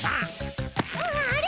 あれ？